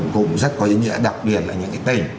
cũng rất có ý nghĩa đặc biệt là những cái tỉnh